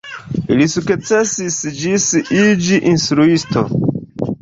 Li sukcesis ĝis iĝi instruisto.